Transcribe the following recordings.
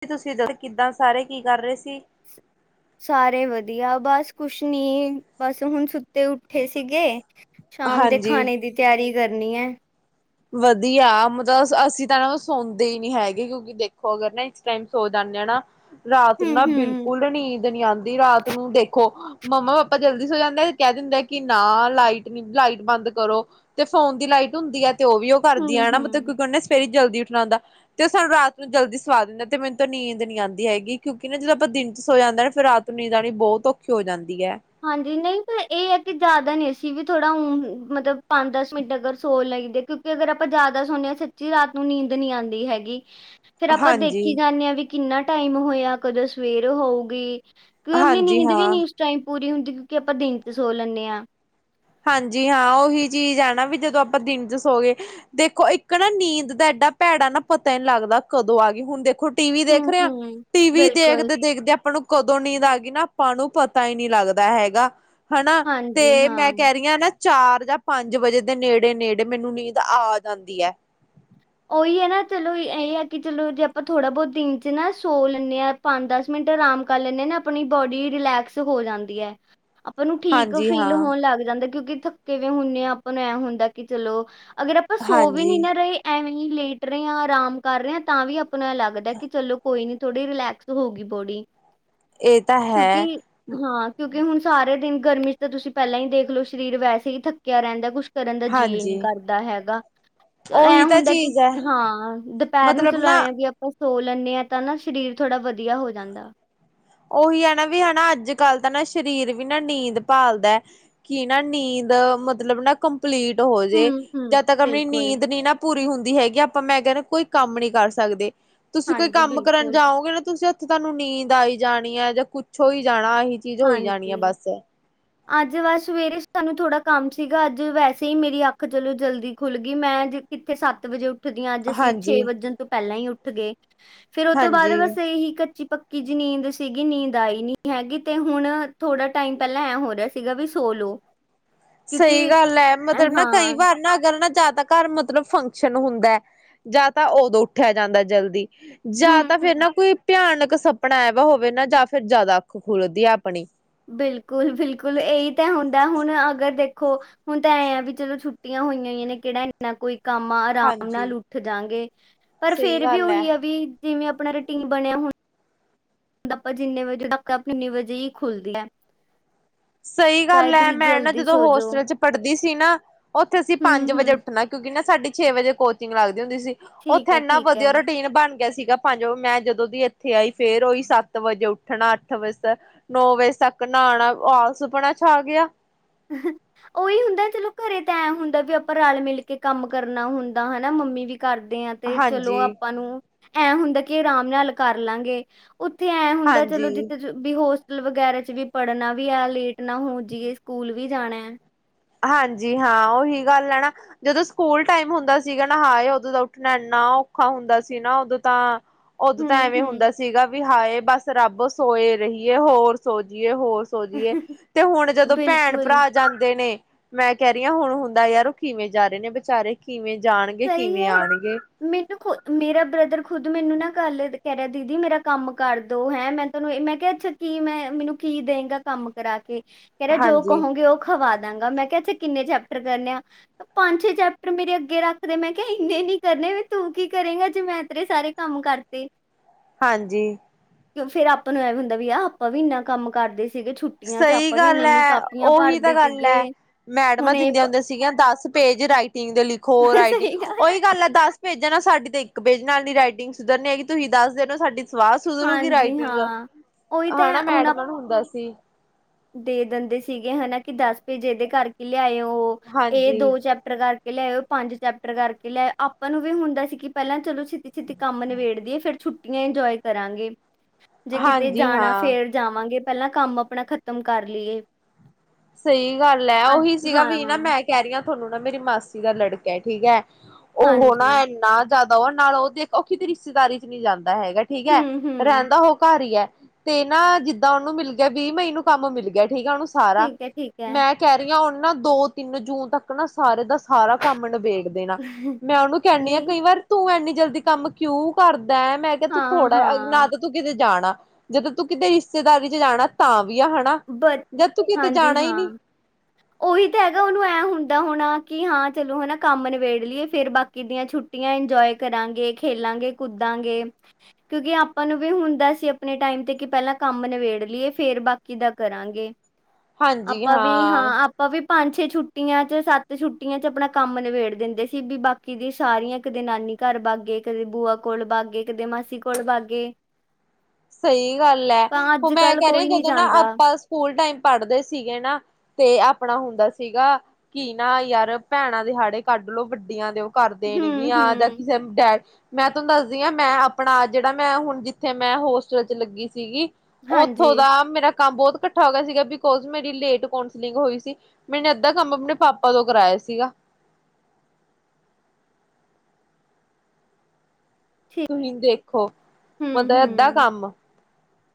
ਕੀ ਤੁਸੀਂ ਦੱਸੋ ਕਿੱਦਾਂ ਸਾਰੇ ਕੀ ਕਰ ਰਹੇ ਸੀ ਸਾਰੇ ਵਧੀਆ ਬਸ ਕੁਛ ਨੀ ਬਸ ਹੁਣ ਸੁੱਤੇ ਉੱਠੇ ਸੀਗੇ ਸ਼ਾਮ ਦੇ ਹਾਂਜੀ। ਖਾਣੇ ਦੀ ਤਿਆਰੀ ਕਰਨੀ ਏ ਵਧੀਆ ਮਤਲਬ ਅਸੀਂ ਤਾਂ ਨਾ ਸੌਂਦੇ ਹੀ ਨੀ ਹੈਗੇ ਕਿਉਂਕਿ ਦੇਖੋ ਅਗਰ ਨਾ ਟੈਮ ਸੋ ਜਾਂਦੇ ਨਾ ਰਾਤ ਨੂੰ ਨਾ ਹੂੰ-ਹੂੰ, ਬਿਲਕੁਲ ਨੀਂਦ ਨੀ ਆਉਂਦੀ ਰਾਤ ਨੂੰ ਦੇਖੋ ਮੰਮਾ ਪਾਪਾ ਜਲਦੀ ਸੋ ਜਾਂਦੇ ਤੇ ਕਹਿ ਦਿੰਦੇ ਆ ਕਿ ਨਾ ਲਾਈਟ ਨੀ ਲਾਈਟ ਬੰਦ ਕਰੋ ਤੇ ਫੋਨ ਦੀ ਲਾਈਟ ਹੁੰਦੀ ਹੈ ਤੇ ਉਹ ਵੀ ਉਹ ਕਰਦੀ ਹਾਂ ਮਤਲਬ ਹੂੰ-ਹੂੰ। ਕਿ ਕਹਿੰਦੇ ਸਵੇਰੇ ਹੀ ਜਲਦੀ ਉੱਠਣਾ ਹੁੰਦਾ ਤੇ ਉਹ ਸਾਨੂੰ ਰਾਤ ਨੂੰ ਜਲਦੀ ਸਵਾ ਦਿੰਦੇ ਤੇ ਮੈਨੂੰ ਤੋਂ ਨੀਂਦ ਨਹੀਂ ਆਂਦੀ ਹੈਗੀ ਕਿਉਂਕਿ ਨਾ ਜਦੋਂ ਆਪਾਂ ਦਿਨ ਚ ਸੋ ਜਾਂਦਾ ਨਾ ਫਿਰ ਰਾਤ ਨੂੰ ਨੀਂਦ ਆਣੀ ਬਹੁਤ ਔਖੀ ਹੋ ਜਾਂਦੀ ਹੈ ਹਾਂਜੀ ਨਹੀਂ ਪਰ ਇਹ ਹੈ ਕਿ ਜ਼ਿਆਦਾ ਨੀ ਅਸੀਂ ਵੀ ਥੋੜ੍ਹਾ ਉਂ ਮਤਲਬ ਪੰਜ ਦਸ ਮਿੰਟ ਅਗਰ ਸੋ ਲਈਦੇ ਕਿਉਂ ਕਿ ਅਗਰ ਆਪਾਂ ਜਿਆਦਾ ਸੋਦੇ ਹਾਂ ਸੱਚੀ ਰਾਤ ਨੂੰ ਨੀਂਦ ਨੀ ਆਉਂਦੀ ਹੈਗੀ ਫੇਰ ਆਪਾਂ ਹਾਂਜੀ, ਦੇਖੀ ਜਾਂਦੇ ਹਾਂ ਵੀ ਕਿੰਨਾ ਟਾਈਮ ਹੋਇਆ ਕਦੋਂ ਸਵੇਰ ਹੋਊਗੀ ਕਿਉਂਕਿ ਆਪਣੀ ਹਾਂਜੀ ਨੀਂਦ ਵੀ ਹਾਂ। ਨੀ ਉਸ ਟਾਈਮ ਪੂਰੀ ਹੁੰਦੀ ਕਿਉਂਕਿ ਆਪਾਂ ਦਿਨ ਤੇ ਸੋ ਲੈਂਦੇ ਆ ਹਾਂਜੀ ਹਾਂ ਉਹੀ ਚੀਜ਼ ਹੈ ਨਾ ਵੀ ਜਦੋਂ ਆਪਾਂ ਦਿਨ ਚ ਸੋ ਗਏ ਦੇਖੋ ਇੱਕ ਨਾ ਨੀਂਦ ਦਾ ਐਡਾ ਭੈੜਾ ਨਾ ਪਤਾ ਹੀ ਲੱਗਦਾ ਕਦੋਂ ਆ ਗਈ ਹੁਣ ਦੇਖੋ ਟੀ ਵੀ ਦੇਖ ਰਹੇ ਆ ਹੂੰ-ਹੂੰ, ਟੀ ਵੀ ਬਿਲਕੁਲ ਦੇਖਦੇ ਦੇਖਦੇ ਆਪਾਂ ਨੂੰ ਕਦੋਂ ਨੀਦ ਆ ਗਈ ਨਾ ਆਪਾਂ ਨੂੰ ਪਤਾ ਹੀ ਨਹੀਂ ਲੱਗਦਾ ਹੈਗਾ ਹਨਾ ਹਾਂਜੀ ਤੇ ਹਾਂ। ਮੈਂ ਦੇਖਦੀ ਆ ਨਾ ਚਾਰ ਜਾਂ ਪੰਜ ਵਜੇ ਦੇ ਨੇੜੇ ਨੇੜੇ ਮੈਨੂੰ ਨੀਂਦ ਆ ਜਾਂਦੀ ਹੈ ਉਹੀ ਹੈ ਨਾ ਚਲੋ ਇਹ ਆ ਕਿ ਚਲੋ ਜੇ ਆਪਾਂ ਥੋੜਾ ਬਹੁਤ ਦਿਨ ਚ ਨਾ ਸੌ ਲੈਂਨੇ ਆ ਪੰਜ ਦਸ ਮਿੰਟ ਆਰਾਮ ਕਰ ਲੈਂਨੇ ਆ ਨਾ ਆਪਣੀ ਬੋਡੀ ਰਿਲੈਕਸ ਹੋ ਜਾਂਦੀ ਹੈ ਆਪਾਂ ਨੂੰ ਠੀਕ ਹਾਂਜੀ ਫੀਲ ਹਾਂ ਹੋਣ ਲੱਗ ਜਾਂਦਾ ਕਿਉਂਕਿ ਥ ਕਿਵੇਂ ਹੁੰਨੇ ਆ ਆਪਾਂ ਨੂੰ ਐਂ ਹੁੰਦਾ ਕਿ ਚਲੋ ਅਗਰ ਆਪਾਂ ਸੋ ਵੀ ਨੀ ਹਾਂਜੀ ਨਾ ਰਹੇ ਐਵੇਂ ਹੀ ਲੇਟ ਰਹੇ ਹਾਂ ਆਰਾਮ ਕਰ ਰਹੇ ਹ ਤਾਂ ਵੀ ਆਪਾਂ ਨੂੰ ਇਹ ਲੱਗਦਾ ਕਿ ਚਲੋ ਕੋਈ ਨੀ ਥੋੜ੍ਹੀ ਰਿਲੈਕਸ ਹੋ ਗਈ ਬੋਡੀ ਇਹ ਤਾਂ ਕਿਉਂਕਿ ਹੈ ਹਾਂ ਕਿਉਂਕਿ ਹੁਣ ਸਾਰੇ ਦਿਨ ਗਰਮੀ ਚ ਤਾਂ ਤੁਸੀਂ ਪਹਿਲਾਂ ਹੀ ਦੇਖ ਲੋ ਸਰੀਰ ਵੈਸੇ ਹੀ ਥੱਕਿਆ ਰਹਿੰਦਾ ਕੁਛ ਸਾਡੇ ਅੰਡਰ ਜੀ ਜੀਅ ਨੀਂ ਹਾਂਜੀ ਕਰਦਾ ਹੈਗਾ। ਚਲੋ ਉਹੀ ਐਂ ਤਾਂ ਹੁੰਦਾ ਕਿ ਚੀਜ਼ ਹੈ ਹਾਂ, ਦੁਪੈਰ ਨੂੰ ਮਤਲਬ ਨਾ ਚਲਾਯਾ ਵੀ ਸੋ ਲੈਂਨੇ ਆਂ, ਤਾਂ ਨਾ ਸਰੀਰ ਥੋੜ੍ਹਾ ਵਧੀਆ ਹੋ ਜਾਂਦਾ। ਓਹੀ ਐਨਾ ਵੀ ਹੈਨਾ, ਅੱਜ ਕੱਲ੍ਹ ਤਾਂ ਨਾ ਸਰੀਰ ਵੀ ਨਾ ਨੀਂਦ ਪਾਲਦਾ। ਕਿ ਨਾ ਨੀਂਦ ਮਤਲਬ ਨਾ ਕੰਪਲੀਟ ਹੂੰ, ਹੋਜੇ, ਹੂੰ, ਜਦ ਤੱਕ ਆਪਣੀ ਬਿਲਕੁਲ। ਨੀਂਦ ਨੀ ਨਾ ਪੂਰੀ ਹੁੰਦੀ ਹੈਗੀ, ਆਪਾਂ ਮੈਂ ਕੈਂਣਾ ਕੋਈ ਕੰਮ ਨੀ ਕਰ ਸਕਦੇ। ਤੁਸੀਂ ਕੋਈ ਹਾਂਜੀ, ਕੰਮ ਕਰਨ ਬਿਲਕੁਲ। ਜਾਓਗੇ ਨਾ, ਤੁਸੀਂ ਤਾਨੂੰ ਨੀਂਦ ਆਈ ਜਾਣੀ ਏ ਜਾਂ ਕੁੱਛੋ ਹੋਈ ਜਾਣਾ ਏਹੀ। ਹਾਂਜੀ। ਅੱਜ ਬਸ ਸਵੇਰੇ ਸਾਨੂੰ ਥੋੜਾ ਕੰਮ ਸੀਗਾ, ਅੱਜ ਵੈਸੇ ਈ ਮੇਰੀ ਅੱਖ ਚਲੋ ਜਲਦੀ ਖੁੱਲਗੀ, ਮੈਂ ਕਿੱਥੇ ਸੱਤ ਵਜੇ ਉੱਠਦੀਆਂ। ਅੱਜ ਅਸੀਂ ਹਾਂਜੀ ਛੇ ਵੱਣ ਤੋਂ ਪੈਂਲਾਂ ਈਂ ਉੱਠ ਗਏ। ਫੇਰ ਓ ਤੋਂ ਬਾਦ ਹਾਂਜੀ ਬਸ ਇਹੀ ਕੱਚੀ-ਪੱਕੀ ਜੀ ਨੀਂਦ ਸੀਗੀ, ਨੀਂਦ ਆਈ ਨੀਂ ਹੈਗੀ। ਤੇ ਹੁਣ ਥੋੜਾ ਟਾਈਮ ਪੈਲਾਂ ਐਂ ਹੋ ਰੇਯਾ ਸੀਗਾ, ਵੀ ਸੋ ਲੋ। ਕਿਉਂਕਿ ਸਈ ਗੱਲ ਐ, ਹਾਂ, ਮਤਲਬ ਨਾ ਕਈ ਵਾਰ ਨਾ ਅਗਰ ਨਾ ਜਾਦਾ ਘਰ ਮਤਲਬ ਫੰਕਸ਼ਨ ਹੁੰਦਾ ਜਾਂ ਤਾਂ ਓਦੋਂ ਉੱਠੇਆ ਜਾਂਦਾ ਜਲਦੀ ਜਾਂ ਹੂੰ, ਤਾਂ ਤਾਂ ਹੂੰ। ਫੇਰ ਨਾ ਕੋਈ ਭਿਆਨਕ ਸਪਨਾ ਆਵੇ ਦਾ ਹੋਵੇ ਨਾ ਜਾਂ ਫੇਰ ਜਾਦਾ ਅੱਖ ਖੁਲਦੀ ਐ ਅਪਣੀ। ਬਿਲਕੁਲ-ਬਿਲਕੁਲ, ਇਹੀ ਤੇ ਹੁੰਦਾ ਹੁਣ ਅਗਰ ਦੇਖੋ ਹੁਣ ਤਾਂ ਐਂ ਆ ਵੀ ਚਲੋ ਛੁੱਟੀਆਂ ਹੋਈਆਂ ਨੇ ਕੇੜਾ ਏਨਾ ਕੋਈ ਕੰਮ ਆ। ਰਾਮ ਹਾਂਜੀ ਨਾਲ ਉੱਠ ਜਾਂਗੇ ਪਰ ਸਹੀ ਫੇਰ ਵੀ ਗੱਲ ਹੈ ਓਹੀ ਆ ਵੀ ਜਿਵੇਂ ਆਪਣਾ ਰੂਟੀਨ ਬਣਿਆ ਹੁੰਦਾ ਆਪਾਂ ਜਿੰਨੇ ਵਜੇ ਆਖ ਆਪਾਂ ਇੰਨੀ ਵਜੇ ਹੀ ਖੁੱਲਦੀਏ। ਸਈ ਗੱਲ ਐ, ਮੈਂ ਨਾ ਜਲਦੀ ਜਦੋਂ ਸੋ ਜੋ ਹੋਸਟਲ ਚ ਪੜਦੀ ਸੀ ਨਾ ਓਥੇ ਅਸੀਂ ਹੂੰ, ਪੰਜ ਵਜੇ ਹੂੰ ਉੱਠਣਾ, ਕਿਉਂਕਿ ਨਾ ਸਾਡੀ ਛੇ ਵਜੇ ਕੋਚਿੰਗ ਲੱਗਦੀ ਹੁੰਦੀ ਸੀ। ਓਥੇ ਠੀਕ ਐ, ਏਨਾ ਠੀਕ ਐ। ਵਧੀਆ ਰੂਟੀਨ ਬਨ ਗਯਾ ਸੀਗਾ। ਪੰਜ ਓ ਮੈਂ ਜਦੋਂ ਦੀ ਏਥੇ ਆਈ ਫੇਰ ਓਈ ਸੱਤ ਵਜੇ ਉੱਠਣਾ, ਅੱਠ ਵਜੇ ਤ ਨੌ ਵਜੇ ਤੱਕ ਨਾਣਾ ਆਲ ਸੁਪਨਾ ਛਾ ਗਿਆ। [inaudible] ਓਹੀ ਹੁੰਦਾ ਚਲੋ ਘਰੇ ਤਾਂ ਐਂ ਹੁੰਦਾ ਵੀ ਆਪਾਂ ਰਲ-ਮਿਲ ਕੇ ਕੰਮ ਕਰਨਾ ਹੁੰਦਾ ਹੈਨਾ, ਮੰਮੀ ਵੀ ਕਰਦੇ ਐਂ। ਤੇ ਚਲੋ, ਹਾਂਜੀ, ਆਪਾਂ ਨੂੰ ਐਂ ਹੁੰਦਾ ਕਿ ਆਰਾਮ ਨਾਲ ਕਰ ਲਾਂਗੇ। ਉੱਥੇ ਐਂ ਹੁੰਦਾ ਹਾਂਜੀ, ਚਲੋ ਜਿੱਥੇ ਵੀ ਹੋਸਟਲ ਵਗੈਰਾ ਚ ਵੀ ਪੜ੍ਹਨਾ ਵੀ ਆ ਲੇਟ ਨਾ ਹੋ ਜੀਏ। ਸਕੂਲ ਵੀ ਜਾਣਾ। ਹਾਂਜੀ ਹਾਂ ਓਹੀ ਗੱਲ ਐ ਨਾਂ। ਜਦੋਂ ਸਕੂਲ ਟਾਈਮ ਹੁੰਦਾ ਸੀਗਾ ਨਾ ਹਾਏ! ਓਦੋਂ ਦਾ ਉੱਠਣਾ ਏਨਾ ਔਖਾ ਹੁੰਦਾ ਸੀ ਨਾ, ਓਦੋਂ ਤਾਂ ਓਦੋਂ ਹੂੰ ਤਾਂ ਐਵੇਂ ਹੂੰ ਹੁੰਦਾ ਸੀਗਾ ਵੀ ਹਾਏ! ਬਸ ਰੱਬ ਸੋਏ ਰਹੀਏ ਹੋਰ ਸੋ ਜੀਏ ਹੋਰ। ਸੋ ਜੀਏ ਤੇ ਹੁਣ ਜਦੋਂ ਬਿਲਕੁਲ ਭੈਣ-ਭਰਾ ਜਾਂਦੇ ਨੇ ਮੈਂ ਕੈ ਰਿਆਂ ਹੁਣ ਹੁੰਦਾ ਯਾਰ ਓ ਕਿਵੇਂ ਜਾ ਰੇਨੇ, ਵਿਚਾਰੇ ਕਿਵੇਂ ਜਾਨਗੇ ਰ ਸਹੀ ਕਿਵੇਂ ਹੈ ਆਣਗੇ? ਮੈਨੂੰ ਖੁ ਮੇਰਾ ਬ੍ਰਦਰ ਖੁੱਦ ਮੈਨੂੰ ਨਾ ਕੱਲ ਕੈ ਰੇਯਾ ਦੀਦੀ, ਮੇਰਾ ਕੰਮ ਕਰ ਦੋ ਹੈਂ ਮੈਂ ਤੋਨੂੰ ਏ, ਮੈਂ ਕੇਯਾ ਅੱਛਾ, ਕੀ ਮੈਂ ਮੈਨੂੰ ਕੀ ਦਏਂਗਾ ਕੰਮ ਕਰਾ ਕੇ, ਕੈ ਰੇਯਾ ਜੋ ਹਾਂਜੀ, ਕਹੋਗੇ ਓ ਖਵਾ ਦਾਂਗਾ, ਮੈਂ ਕੇਯਾ ਫੇਰ ਕਿੰਨੇ ਚੈਪਟਰ ਕਰਨੇ ਆ ਪੰਜ-ਛੇ ਚੈਪਟਰ ਮੇਰੇ ਅੱਗੇ ਰੱਖ ਮੈਂ ਕੇਯਾ ਇੰਨੇ ਨੀ ਕਰਨੇ ਵੀ ਤੂੰ ਕੀ ਕਰੇਗਾ, ਜੇ ਮੈਂ ਤੇਰੇ ਸਾਰੇ ਕੰਮ ਕਰਤੇ? ਹਾਂਜੀ। ਫ਼ੇਰ ਆਪਾਂ ਨੂੰ ਏਵੀ ਹੁੰਦਾ ਵੀ ਆ ਆਪਾਂ ਵੀ ਇੰਨਾ ਕੰਮ ਕਰਦੇ ਸੀਗੇ ਛੁੱ ਸਈ ਗੱਲ ਐ, ਓਹੀ ਤਾਂ ਗੱਲ ਸੀਗੇ ਐ, ਹੁਣ ਮੈਡਮਾਂ ਇਹ ਦਿੰਦੀਆਂ ਪ ਹੁੰਦੀ ਸੀਗੀਆਂ, ਦਸ ਪੇਜ ਰਾਈਟਿੰਗ ਦੇ ਲਿਖੋ ਰਾਈਟਿੰਗ ਓਈ ਗੱਲ ਐ ਦਸ ਪੇਜਾ ਨਾਲ ਸਾਡੀ ਤੇ ਇੱਕ ਪੇਜ ਨਾਲ ਨੀਂ ਰਾਈਟਿੰਗ ਸੁਧਰਨੀ ਹੈਗੀ, ਤੁਸੀਂ ਦੱਸ ਦੇ ਸਾਡੀ ਸਵਾਹ ਸੁਧਰੂਗੀ ਹਾਂਜੀ ਰਾਈਟਿੰਗ ਹਾਂ ਉਹੀ ਤਾਂ ਹਨਾ, ਹੈ ਹੁਣ ਮੈਡਮਾਂ ਨੂੰ ਹੁੰਦਾ ਸੀ। ਦੇ ਦਿੰਦੇ ਸੀਗੇ ਹਨਾ, ਕਿ ਦੱਸ ਪੇਜ ਏਦੇ ਕਰਕੇ ਲਿਆਯੋ ਏ ਹਾਂਜੀ ਦੋ ਚੈਪ ਕਰਕੇ ਲਿਆਇਓ, ਪੰਜ ਚੈਪਟਰ ਕਰਕੇ ਲਿਆਓ। ਆਪਾਂ ਨੂੰ ਵੀ ਹੁੰਦਾ ਸੀ ਕਿ ਪਹਿਲਾਂ ਚਲੋ ਛਿੱਤੀ-ਛਿੱਤੀ ਕੰਮ ਨਿਬੇੜਦੀਏ ਫੇਰ ਛੁੱਟੀਆਂ ਇੰਜੋਏ ਕਰਾਂਗੇ। ਜੇ ਕਿਤੇ ਹਾਂਜੀ ਜਾਣਾ ਹਾਂ ਫੇਰ ਜਾਵਾਂਗੇ, ਪਹਿਲਾਂ ਕੰਮ ਆਪਣਾ ਖ਼ਤਮ ਕਰ ਲੀਏ। ਸਈ ਗੱਲ ਐ, ਓਹੀ ਸੀਗਾ ਵੀ ਨਾ ਮੈਂ ਕੈਅ ਰੀ ਆਂ ਤੁਹਨੂੰ ਨਾ ਮੇਰੀ ਮਾਸੀ ਦਾ ਲੜਕਾ ਏ। ਠੀਕ ਐ, ਓਹੋ ਨਾਂ ਹਾਂਜੀ ਇੰਨਾ ਜ਼ਿਆਦਾ ਓ ਨਾਲ ਓ ਦੇਖ ਓ ਕਿਤੇ ਰਿਸ਼ਤੇਦਾਰੀ ਚ ਨਈਂ ਜਾਂਦਾ ਹੈਗਾ। ਠੀਕ ਐ। ਹੂੰ ਹੂੰ ਰੈਂਦਾ ਓ ਘਰ ਈ ਐ। ਤੇ ਨਾਂ ਜਿੱਦਾਂ ਓਨੂੰ ਮਿਲ ਗਿਆ ਵੀਹ ਮਈ ਨੂੰ ਕੰਮ ਮਿਲ ਗਿਆ ਠੀਕ ਐ ਓਨੂੰ ਸਾਰਾ। ਠੀਕ ਠੀਕ ਐ। ਮੈਂ ਕੈਅ ਰੀ ਆਂ ਉਣ ਨਾਂ ਦੋ-ਤਿੰਨ ਜੂਨ ਤੱਕ ਨਾ ਸਾਰੇ ਦਾ ਸਾਰਾ ਕੰਮ ਨਬੇੜ ਮੈਂ ਓਨੂੰ ਕੈਣੀ ਆਂ ਨਹੀਂ ਕਈ ਵਾਰ ਤੂੰ ਇੰਨੀ ਜਲਦੀ ਕੰਮ ਕਿਉਂ ਕਰਦੈ, ਮੈਂ ਤੇ ਤੂੰ ਹਾਂ ਥੋੜਾ ਹਾਂ ਨਾਂ ਤਾਂ ਤੂੰ ਕਿਤੇ ਜਾਣਾ, ਜਦੋਂ ਤੂੰ ਕਿਤੇ ਰਿਸ਼ਤੇਦਾਰੀ ਚ ਜਾਣਾ ਤਾਂ ਵੀ ਆ, ਹਨਾਂ। ਬਟ, ਹਾਂਜੀ ਹਾਂ। ਓਹੀ ਤਾਂ ਹੈਗਾ ਓਨੂੰ ਐਂ ਹੁੰਦਾ ਹੋਣਾ ਕਿ ਹਾਂ ਚਲੋ ਹਨਾਂ ਕੰਮ ਨਿਬੇੜ ਲਈਏ ਫੇਰ ਬਾਕੀ ਦੀਆਂ ਛੁੱਟ ਛੁੱਟੀਆਂ ਇੰਜੋਏ ਕਰਾਂਗੇ, ਖੇਲਾਂਗੇ, ਕੁਦਾਂਗੇ। ਕਿਉਂਕਿ ਆਪਾਂ ਨੂੰ ਵੀ ਹੁੰਦਾ ਸੀ ਆਪਣੇ ਟਾਈਮ ਤੇ ਕਿ ਪਹਿਲਾਂ ਕੰਮ ਨਿਬੇੜ ਲਈਏ ਫੇਰ ਬਾਕੀ ਕਿ ਦਾਂ ਕਰਾਂਗੇ ਆਪਾਂ ਵੀ, ਹਾਂ। ਆਪ ਪਾਂ ਵੀ ਪੰਜ-ਛੇ ਛੁੱਟੀਆਂ ਚ ਸੱਤ ਛੁੱਟੀਆਂ ਚ ਅਪਣਾ ਕੰਮ ਨਿਬੇੜ ਦਿੰਦੇ ਸੀ ਵੀ ਬਾਕ ਕਿਦੀ ਸਾਰੀਆਂ ਕਦੇ ਨਾਨੀ ਘਰ ਬਾਗੇ, ਕਦੇ ਬੂਆ ਕੋਲ ਬਾਗੇ, ਕਦੇ ਮਾਸੀ ਕੋਲ ਬਾਗੇ। ਸਈ ਗੱਲ ਐ, ਤਾਂ ਓ ਅੱਜ ਮੈਂ ਕੱਲ ਕੈਅ ਰੀ ਆਂ, ਕੋਈ ਨਹੀਂ ਜਦੋਂ ਨਾ ਜਾਂਦਾ ਆਪਾਂ ਸਕੂਲ ਟਾਈਮ ਪੜ੍ਹਦੇ ਸੀਗੇ ਨਾ ਤੇ ਆਪਣਾ ਹੁੰਦਾ ਸੀਗਾ ਕਿ ਨਾ ਯਾਰ ਭੈਣਾਂ ਦੇ ਹਾੜੇ ਕੱਢ ਲੋ ਵੱਡੀਆਂ ਦੇ ਓ ਕਰ ਦੇਣ ਹੂੰ ਗੀਆਂ ਜਾਂ ਹੂੰ ਕਿਸੇ ਨੂੰ ਡੈਡ ਮੈਂ ਤੁਨੂੰ ਦੱਸਦੀ ਆਂ, ਮੈਂ ਆਪਣਾ ਜੇੜਾ ਮੈਂ ਹੁਣ ਜਿੱਥੇ ਮੈਂ ਹੋਸਟਲ ਚ ਲੱਗੀ ਸੀਗੀ ਹਾਂਜੀ ਉੱਥੋਂ ਦਾ ਮੇਰਾ ਕੰਮ ਬੋਤ ਘਟ ਕੱਠਾ ਹੋ ਗਿਆ ਸੀਗਾ ਬਿਕੋਜ ਮੇਰੀ ਲੇਟ ਕੌਂਸਲਿੰਗ ਹੋਈ ਸੀ। ਮੈਂਨੇ ਅੱਧਾ ਕੰਮ ਆਪਣੇ ਪਾਪਾ ਤੋਂ ਕਰਾਇਆ ਸੀਗਾ। ਤੁਹੀਂ ਦੇਖੋ। ਹਂ, ਮਤਲਬ ਅੱਧਾ ਹਂ,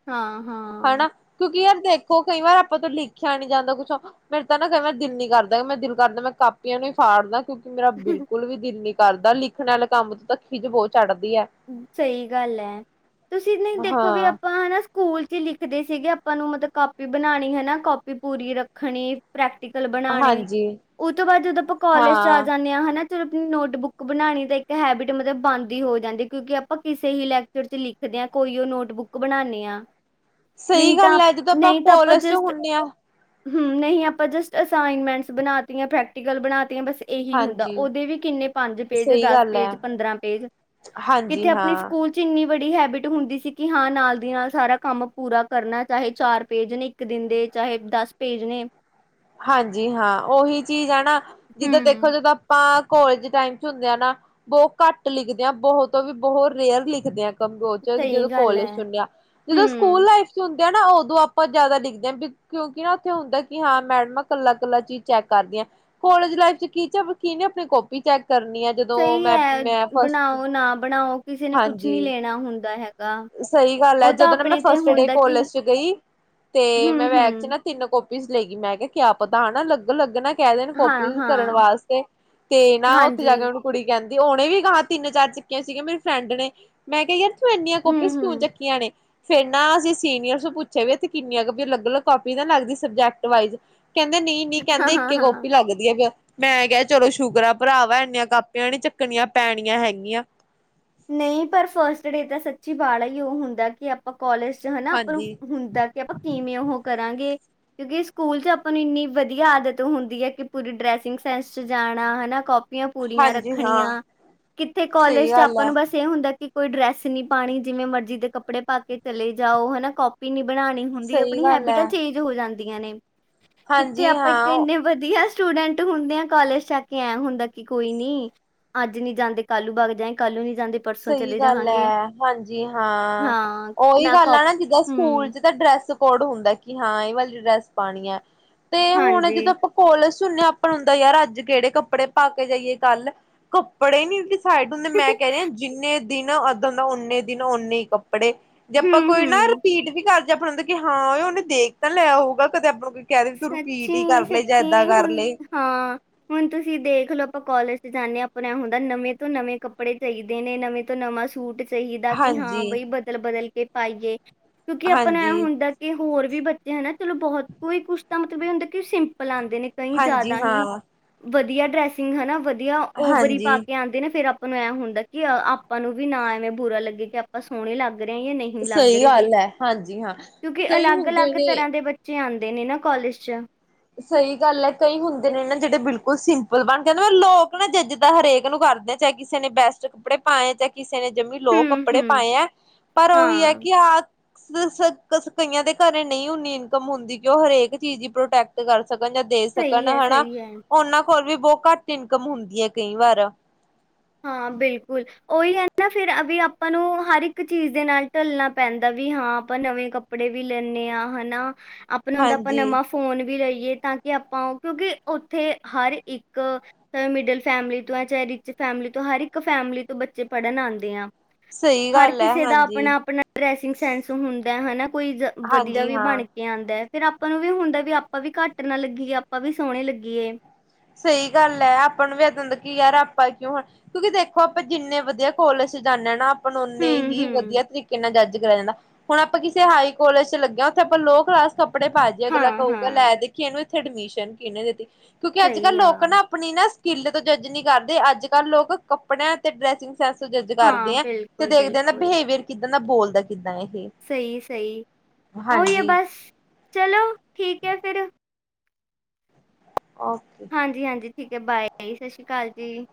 ਹਾਂ, ਹਾਂ। ਹਨਾਂ ਕਿਉਂਕਿ ਯਾਰ ਦੇਖੋ, ਕਈ ਵਾਰ ਆਪਾਂ ਤੋਂ ਲਿਖਿਆ ਨੀਂ ਜਾਂਦਾ ਕੁਛ ਮੇਰੇ ਤਾਂ ਨਾ ਕਦੇ ਦਿਲ ਨੀਂ ਕਰਦਾ, ਮੈਂ ਦਿਲ ਕਰਦਾ ਮੈਂ ਕਾਪੀਆਂ ਨੂੰ ਈ ਫਾੜ ਦਾਂ ਕਿਉਂਕਿ ਮੇਰਾ ਬਿਲਕੁਲ ਵੀ ਦਿਲ ਨੀਂ ਕਰਦਾ, ਲਿਖਣ ਆਲੇ ਕੰਮ ਚ ਤਾਂ ਖਿਝ ਬੋਤ ਚੜ੍ਹਦੀ ਆ। ਸਈ ਗੱਲ ਐ, ਤੁਸੀਂ ਨ੍ਹੀਂ ਦੇਖੋ ਵੀ ਹਾਂ ਆਪਾਂ ਹਨਾਂ ਸਕੂਲ ਚ ਈ ਲਿਖਦੇ ਸੀਗੇ ਆਪਾਂ ਨੂੰ, ਮਤਲਬ ਕਾਪੀ ਬਣਾਣੀ ਹਨਾਂ ਕਾੱਪੀ ਪੂਰੀ ਰੱਖਣੀ। ਪ੍ਰੈਕਟੀਕਲ ਬਣਾਣੇ ਹਾਂਜੀ ਓਤੋਂ ਬਾਅਦ ਜਦੋਂ ਆਪਾਂ ਕੋਲੇਜ ਚ ਆ ਹਾਂ ਜਾਂਣੇ ਆਂ ਹਨਾਂ ਚਲ ਆਪਣੀ ਨੋਟਬੁੱਕ ਬਣਾਣੀ ਤੇ ਇੱਕ ਹੈਬਿਟ ਮਤਲਬ ਬੰਦ ਈ ਹੋ ਜਾਂਦੀ। ਕਿਉਂਕਿ ਆਪਾਂ ਕਿਸੇ ਹੀ ਲੈਕਚਰ ਚ ਲਿਖਦੇ ਆਂ, ਕੋਈ ਓ ਨੋਟਬੁੱਕ ਬਣਾਣੇ ਆਂ। ਨਹੀਂ ਸਹੀ ਤਾਂ ਗੱਲ ਹੈ ਜਦੋਂ ਨਈਂ ਤਾਂ ਆਪਾਂ ਕੋਲਜ ਚ ਜਸਟ ਹੁੰਦੇ ਹਾਂ ਹਂ, ਨਹੀਂ ਆਪਾਂ ਜਸਟ ਅਸਾਈਨਮੈਂਟਸ ਬਣਾ ਤੀਆਂ, ਪ੍ਰੈਕਟੀਕਲ ਬਣਾਤੀਆਂ ਬਸ ਏਹੀ ਹੁੰਦਾ, ਹਾਂਜੀ ਓਦੇ ਵੀ ਕਿੰਨੇ ਪੰਜ ਪੇਜ, ਸਹੀ ਦਸ ਗੱਲ ਹੈ ਪੇਜ, ਪੰਦਰਾਂ ਪੇਜ ਕਿੱਥੇ ਹਾਂਜੀ ਆਪਣੀ ਹਾਂ ਸਕੂਲ ਚਿੰਨੀ ਵੜੀ ਹੈਬਿਟ ਹੁੰਦੀ ਸੀ ਕਿ ਹਾਂ ਨਾਲ ਦੀ ਨਾਲ ਸਾਰਾ ਕੰਮ ਪੂਰਾ ਕਰਨਾ ਚਾਹੇ ਚਾਰ ਪੇਜ ਨੇਂ ਇੱਕ ਦਿਨ ਦੇ ਚਾਹੇ ਦੱਸ ਪੇਜ ਨੇ ਹਾਂਜੀ ਹਾਂ, ਓਹੀ ਚੀਜ਼ ਐ ਨਾਂ। ਜਿੱਦਾਂ ਦੇਖੋ, ਹੂੰ। ਜਦੋਂ ਆਪਾਂ ਕੋਲੇਜ ਟਾਈਮ ਚ ਹੁੰਦੇ ਆ ਨਾਂ ਬੋਤ ਘੱਟ ਲਿਖਦੇ ਆਂ। ਬਹੁਤ ਵੀ ਬਹੁਤ ਰੇਅਰ ਲਿਖਦੇ ਆਂ ਸੰਗ ਬਹੁਤ ਚੜਦੀ ਸਹੀ ਜਦੋਂ ਗੱਲ ਕੋਲੇਜ ਹੈ। ਚੁਣਣੇ ਆਂ, ਜਦੋਂ ਸਕੂਲ ਹੂੰ, ਲਾਈਫ ਚੁਣਦੇ ਆ ਨਾ ਉਦੋਂ ਆਪਾਂ ਜਿਆਦਾ ਦਿਖਦੇ, ਕਿਉਂਕਿ ਨਾ ਉੱਥੇ ਹੁੰਦਾ ਕਿ ਹਾਂ ਮੈਡਮ ਮੈਂ ਕੱਲਾ ਕੱਲਾ ਚੀਜ਼ ਚੈੱਕ ਕਰਦੀ ਹਾਂ, ਕੋਲੇਜ ਲਾਈਫ 'ਚ ਟੀਚਰ ਕੀਹਨੇ ਆਪਣੀ ਕਾਪੀ ਚੈੱਕ ਕਰਨੀ ਹੈ ਸਈ ਹੈ ਬਣਾਓ ਨਾ ਬਣਾਓ ਕਿਸੇ ਨੇ ਕੁਛ ਨੀ ਹਾਂਜੀ ਲੈਣਾ ਹੁੰਦਾ ਹੈਗਾ ਸਹੀ ਗੱਲ ਹੈ ਉਹ ਤਾਂ ਜਦੋਂ ਨਾ ਮੈਂ ਆਪਣੇ ਤੇ ਫਸਟ ਡੇ ਹੁੰਦਾ ਕਿ ਕੋਲੇਜ 'ਚ ਗਈ ਤੇ ਹੂੰ, ਮੈਂ ਬੈਗ 'ਚ ਹੂੰ, ਨਾ ਤਿੰਨ ਕੋਪੀਜ਼ ਲੇ ਗਈ ਮੈਂ ਕਿਹਾ ਕਿਆ ਪਤਾ ਆ ਨਾ ਅਲੱਗ ਲੱਗਣ ਕਹਿ ਦੇਣ ਹਾਂ, ਕਾੱਪੀਸ ਕਰਨ ਹਾਂ, ਵਾਸਤੇ, ਤੇ ਨਾ ਉੱਥੇ ਹਾਂਜੀ, ਜਾ ਕੇ ਉਹਨੂੰ ਕੁੜੀ ਕਹਿੰਦੀ ਉਹਨੇ ਵੀ ਗਾਹਾਂ ਤਿੰਨ- ਚਾਰ ਚੁੱਕੀਆਂ ਸੀਗੀਆਂ ਮੇਰੀ ਫਰੈਂਡ ਨੇ ਮੈਂ ਕਿਹਾ ਯਾਰ ਤੂੰ ਇੰਨੀਆਂ ਕਾਪ ਹੂੰ, ਕਾਪੀਸ ਕਿਉੰ ਹੂੰ, ਚੱਕੀਆਂ ਨੇ ਫਿਰ ਨਾ ਅਸੀਂ ਸੀਨੀਅਰਸ ਨੂੰ ਪੁੱਛਿਆ ਵੀ ਇਥੇ ਕਿੰਨੀਆਂ ਕੁ ਅਲੱਗ ਅਲੱਗ ਕਾਪੀਸ ਲੱਗਦੀਆਂ ਸਬਜੈਕਟ ਵਾਈਜ਼ ਕਹਿੰਦੇ ਨਹੀਂ ਨਹੀਂ ਹਾਂ, ਕਹਿੰਦੇ ਇੱਕ ਹਾਂ, ਹੀ ਹਾਂ। ਕਾਪੀ ਲੱਗਦੀ ਯ ਮੈਂ ਕਿਹਾ ਚਲੋ ਸ਼ੁਕਰ ਆ ਭਰਾਵਾ ਇੰਨੀਆਂ ਕਾਪੀਆਂ ਨੀ ਚੱਕਣੀਆਂ ਪੈਣੀਆਂ ਹੈਗੀਆਂ ਨਹੀਂ ਪਰ ਫਸਟ ਡੇ ਤਾਂ ਸੱਚੀ ਬਾਲਾ ਹੀ ਉਹ ਹੁੰਦਾ ਕਿ ਅਪ ਆਪਾਂ ਕੋਲੇਜ 'ਚ ਹਨਾ ਆਪਾਂ ਹਾਂਜੀ ਹੁੰਦਾ ਕਿ ਆਪਾਂ ਕਿਵੇਂ ਉਹ ਕਰਾਂਗੇ ਕਿਉਂਕਿ ਸਕੂਲ 'ਚ ਆਪਾਂ ਨੂੰ ਇੰਨੀ ਵਧੀਆ ਆਦਤ ਹੁੰਦੀ ਏ ਕਿ ਪੂਰੀ ਡਰੈਸਿੰਗ ਸੈਂਸ 'ਚ ਜਾਣਾ ਹਨਾ ਕੋਪ ਕਾਪੀਆਂ ਪੂਰੀਆਂ ਹਾਂਜੀ ਹਾਂ ਰੱਖਣੀਆਂ ਕਿੱਥੇ ਕਾਲਜ ਸਹੀ 'ਚ ਆਪ ਗੱਲ ਹੈ, ਬਸ ਇਹ ਹੁੰਦਾ ਕਿ ਕੋਈ ਡਰੈਸ ਨੀ ਪਾਉਣੀ ਜਿਵੇਂ ਮਰਜ਼ੀ ਦੇ ਕੱਪੜੇ ਪਾ ਕੇ ਚਲੇ ਜਾਓ ਹਨਾ ਕਾੱਪੀ ਨੀ ਬਣਾਉਣੀ ਹੁੰਦੀ ਸਹੀ ਆਪਣੀ ਗੱਲ ਹੈ, ਹੈਬਿਟਾਂ ਚੇਂਜ ਹੋ ਜਾਂਦੀਆਂ ਨੇ, ਕਿੱਥੇ ਹਾਂਜੀ ਆਪਾਂ ਇੱਕ ਹਾਂ। ਇੰਨੇ ਵਧੀਆ 'ਚ ਸਟੂਡੈਂਟ ਹੁੰਦੇ ਆ ਕਾਲਜ ਜਾ ਕੇ ਐਂ ਹੁੰਦਾ ਕੀ ਕੋਈ ਨੀ ਅੱਜ ਨੀ ਜਾਂਦੇ ਕਲ ਨੂੰ ਬਗ ਜਾਂਗੇ ਕੱਲ ਨਹੀ ਜਾਂਦੇ ਸਹੀ ਗੱਲ ਹੈ ਹਾਂਜੀ ਹਾਂ ਉਹੀ ਗੱਲ ਆ ਨਾ ਜਿੱਦਾਂ ਸਕੂਲ 'ਚ ਤੇ ਡਰੈਸ ਕੋਡ ਹੁੰਦਾ ਕਿ ਹਾਂ ਇਹ ਵਾਲੀ ਡਰੈਸ ਪਾਣੀ ਹੈ, ਤੇ ਹੁਣ ਹਾਂਜੀ ਜਦੋਂ ਕੋਲੇਜ ਸੁਣਿਆ ਆਪਾਂ ਹੁੰਦਾ ਯਾਰ ਅੱਜ ਕਿਹੜੇ ਕੱਪੜੇ ਪਾ ਕੇ ਜਾਈਏ ਕਲ ਕੱਪੜੇ ਨੀ ਡਿ ਸਾਈਡ ਹੁੰਦੇ ਮੈਂ ਕਹਿ ਰਹੀ ਜਿੰਨੇ ਦਿਨ ਏਦਾ ਹੁੰਦਾ ਉਨੇ ਦਿਨ ਓਨੇ ਹੀ ਕੱਪ ਕੱਪੜੇ ਜੇ ਆਪਾਂ ਹੂੰ ਕੋਈ ਨਾ ਹੂੰ ਰਿਪੀਟ ਵੀ ਕਰ ਜੇ ਆਪਾਂ ਕਿ ਹਾਂ ਉਹ ਉਹਨੇ ਦੇਖ ਤਾਂ ਲਿਆ ਹੋਊਗਾ ਕਦੇ ਆਪਣਾ ਕੋਈ ਕਹਿ ਦੇ ਤੂੰ ਰਿਪੀਟ ਹੀ ਸੱਚੀ ਕਰ ਲੇ ਜਾਂ ਸੱਚੀ ਏਦਾਂ ਕਰ ਹੁਣ ਲਏ ਹਾਂ ਹੁਣ ਤੁਸੀਂ ਦੇਖ ਲਓ ਆਪਾਂ ਕਾਲਜ 'ਚ ਜਾਂਦੇਂ ਹਾਂ ਆਪਣਾਂ ਹੁੰਦਾ ਨਵੇਂ ਤੋਂ ਨਵੇਂ ਕੱਪੜੇ ਚਾਹੀਦੇ ਨੇਂ। ਨਵੇਂ ਤੋਂ ਨਵਾਂ ਸ਼ੂਟ ਚਾਹੀਦਾ ਕਿ ਹਾਂ ਹਾਂਜੀ। ਬਈ ਬਦਲ- ਬਦਲ ਕੇ ਪਾਈਏ। ਕਿਉਂਕਿ ਆਪਣਾ ਐਹ ਹਾਂਜੀ, ਹੁੰਦਾ। ਕਿ ਹੋਰ ਵੀ ਬੱਚੇ ਹਨਾ। ਚਲੋ ਬਹੁਤ ਕੋਈ ਕੁੱਛ ਤਾਂ ਮੱਤਲਬ ਇਹ ਹੁੰਦਾ ਕਿ ਸਿੰਪਲ ਆਂਦੇ ਨੇ। ਕਈ ਹਾਂਜੀ ਜ਼ਿਆਦਾ ਹੀ ਹਾਂ, ਵਧੀਆਂ ਡਰੈਸਿੰਗ ਹਨਾ। ਵਧੀਆਂ ਓਵਰੀ ਪਾ ਹਾਂਜੀ ਕੇ ਆਂਦੇ ਨੇ। ਫਿਰ ਅਪ ਉਹਨੂੰ ਐਂ ਹੁੰਦਾਂ ਕਿ ਆਪਾਂ ਨੂੰ ਵੀ ਨਾ ਐਂਵੇਂ ਬੁਰਾ ਲੱਗੇ। ਕਿ ਆਪਾਂ ਸੋਹਣੇ ਲੱਗ ਰਹੇ ਜਾਂ ਨਹੀਂ। ਲੱਗ ਸਹੀ ਰਹੀ। ਗੱਲ ਹੈ, ਹਾਂਜੀ ਹਾਂ। ਕਿਉਂਕਿ ਕਈ ਅਲੱਗ- ਹੁੰਦੇ ਅਲੱਗ ਨੇ ਤਰ੍ਹਾਂ ਦੇ ਬੱਚ। ਬੱਚੇ ਆਂਦੇ ਨੇ ਨਾ ਕਾਲਜ਼ 'ਚ। ਸਹੀ ਗੱਲ਼ ਹੈ ਕਈ ਹੁੰਦੇ ਨੇ ਨਾ ਜਿਹੜੇ ਬਿਲਕੁੱਲ ਸਿੰਪਲ ਬਣਦੇ। ਔਰ ਲੋਕ ਨਾ ਜੱਜ ਤਾਂ ਹਰੇਕ ਨੂੰ ਕਰਦੇ। ਚਾਹੇ ਕਿਸੇ ਨੇ ਬੈਸਟ ਕੱਪੜੇ ਪਾਣੇ ਜੇ ਕਿਸੇ ਨੇ ਜਮੀ ਲੋਅ ਕੱਪੜੇ ਪਾਏ ਐਂ। ਪਰ ਉਹੀ ਹੈ ਕਿ ਆਹ ਸ ਸ ਕਈਆਂ ਦੇ ਘਰੇਂ ਨਹੀਂ ਹੁੰਦੀਂ ਇਨਕਮ ਹੁੰਦੀਂ ਕਿ ਉਹ ਹਰੇਕ ਚੀਜ਼ ਪ੍ਰੋਟੈਕ ਪ੍ਰੋਟੈਕ ਕਰ ਸਕਣ ਜਾਂ ਦੇ ਸਕਣ ਸਹੀ ਹੈ, ਹਨਾ। ਸਹੀ ਹੈ। ਉਹਨਾਂ ਕੋਲ਼ ਵੀ ਬਹੁਤ ਘੱਟ ਇਨਕਮ ਹੁੰਦੀਂ ਏ ਕਈ ਵਾਰ ਹਾਂ ਬਿਲਕੁਲ। ਉਹੀ ਹੈ ਨਾ ਫੇਰ ਅਵੀ ਆਪਾਂ ਨੂੰ ਹਰ ਇੱਕ ਚੀਜ਼ ਦੇ ਨਾਲ਼ ਢਲਣਾ ਪੈਂਦਾਂ ਵੀ ਹਾਂ ਆਪਾਂ ਨਵੇਂ ਕੱਪੜੇ ਕੱਪੜੇ ਵੀ ਲੈਂਨੇ ਹਾਂ ਹਨਾ। ਆਪਾਂ ਨੂੰ ਹੁੰਦਾਂ ਆਪਾਂ ਹਾਂਜੀ, ਨਵਾਂ ਫ਼ੋਨ ਵੀ ਲਈਏ ਤਾਂ ਕਿ ਆਪਾਂ। ਕਿਉਂਕਿ ਉੱਥੇ ਹਰ ਇੱਕ ਚਾਹੇ ਮਿਡਲ ਫੈਮਲੀ ਤੋਂ ਹੈਂ। ਚਾਹੇ ਰਿਚ ਫੈਮਿਲੀ ਤੋਂ। ਹਰ ਇੱਕ ਫੈਮਿਲੀ ਤੋਂ ਬੱਚੇ ਪੜ੍ਹਨ ਆਂਦੇ ਆ। ਸਹੀ ਹਰ ਗੱਲ ਹੈ, ਕਿਸੇ ਦਾ ਹਾਂਜੀ। ਆਪਣਾ- ਆਪਣਾ। ਡਰੈਸਿੰਗ ਸੈਂਸ ਹੁੰਦਾ ਹਨਾ। ਕੋਈ ਵਧੀਆ ਹਾਂਜੀ ਵੀ ਹਾਂ। ਬਣ ਕੇ ਆਂਦਾ ਫੇਰ ਆਪਾਂ ਨੂੰ ਵੀ ਹੁੰਦਾ। ਵੀ ਆਪਾਂ ਵੀ ਘੱਟ ਨਾ ਲੱਗੀਏ। ਆਪਾਂ ਵੀ ਸੋਹਣੇ ਲੱਗੀਏ। ਸਈ ਗੱਲ ਐ ਆਪਾਂ ਨੂੰ ਵੀ ਏਦਾਂ ਦਾ ਕਿ ਯਾਰ ਆਪਾਂ ਕਿਉਂ ਹੁਣ ਕਿਉਂਕਿ ਦੇਖੋਂ ਆਪਾਂ ਜਿੰਨੇਂ ਵਧੀਆਂ ਕਾਲੇਜ਼ ਚ ਜਾਂਣੇ ਹਾਂ ਨਾ ਆਪ ਆਪ ਨੂੰ ਓਨੇ ਹੁੰ, ਹੀ ਹੁੰ। ਵਧੀਆਂ ਤਰੀਕ਼ੇ ਨਾਲ਼ ਜੱਜ ਕਰਏਆ ਜਾਂਦਾਂ। ਹੁਣ ਆਪਾਂ ਕਿਸ਼ੇ ਹਾਈ ਕਾਲਜ਼ ਚ ਲੱਗੇਂ ਆ, ਓਥੇ ਆਪਾਂ ਲੋਅ ਕਲਾਸ ਕੱਪੜੇ ਪਾ ਜੀਏ ਅਗਲਾ ਕੳਗਾ ਹਾਂ-ਹਾਂ, ਲ਼ੈ ਦੇਖ ਕਿ ਏਹਨੂੰ ਇੱਥੇਂ ਐਡਮਿਸ਼ਨ ਕਿਹਨੇ ਦਿੱਤੀ, ਕਿਉਂਕਿ ਅੱਜ਼-ਕੱਲ ਸਹੀ ਆ, ਲੋਕ ਨਾ। ਆਪਣੀਂ ਨਾ ਸਕਿੱਲ ਤੋਂ ਜੱਜ ਨੀਂ ਕਰਦੇਂ, ਅੱਜ਼-ਕੱਲ੍ਹ ਲੋਕ ਕੱਪੜੇਆਂ ਤੇ ਡਰੈਸਿੰਗ ਡਰੈੱਸ ਜੱਜ ਹਾਂ ਕਰਦੇਂ ਐਂ, ਤੇ ਦੇਖਦੇ ਨੇ, ਬਿਲਕੁਲ-ਬਿਲਕੁਲ, ਬਿਹੇਵੀਅਰ ਕਿੱਦਾਂ ਦਾ ਬੋਲਦਾਂ ਕਿੱਦਾਂ ਏਹ ਸਹੀ-ਸਹੀ ਉਹੀ ਐ ਬਸ, ਚਲੋਂ ਠੀਕ ਐ ਫੇਰ ਔ। ਹਾਂਜੀ-ਹਾਂਜੀ ਠੀਕ ਐ ਬਾਏ ਸਸ਼ ਸ਼੍ਰੀ ਕਾਲ ਜੀ।